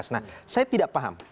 nah saya tidak paham